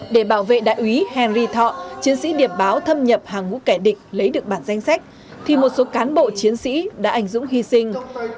để bảo vệ đại úy henry thọ chiến sĩ điệp báo thâm nhập hàng ngũ kẻ địch lấy được bản danh sách thì một số cán bộ chiến sĩ đã ảnh dũng hy sinh